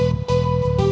oke ya sudah